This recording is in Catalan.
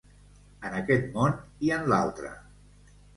En aquest món i en l'altre.